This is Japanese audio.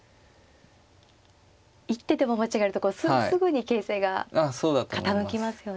一手でも間違えるとこうすぐに形勢が傾きますよね。